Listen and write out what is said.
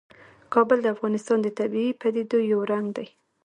کابل د افغانستان د طبیعي پدیدو یو رنګ دی.